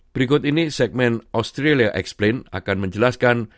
berikut ini segmen australia explained akan menjelaskan